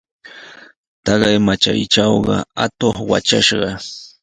Taqay matraytrawmi atuq watrashqa.